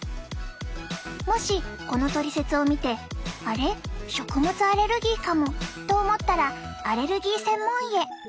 もしこのトリセツを見て「あれ？食物アレルギーかも」と思ったらアレルギー専門医へ。